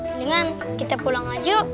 mendingan kita pulang aja